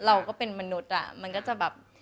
เราก็เป็นมนุษย์มันก็จะแบบ